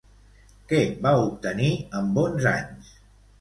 Què va obtenir amb onze anys?